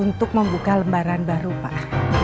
untuk membuka lembaran baru pak